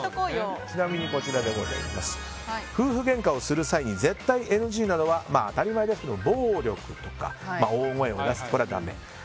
ちなみに夫婦げんかをする際に絶対ＮＧなのは当たり前ですが、暴力とか大声を出す、これはだめ。